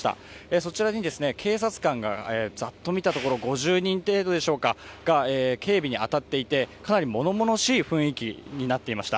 そちらに警察官がざっと見たところ５０人程度でしょうかが警備に当たっていて、かなりものものしい雰囲気になっていました。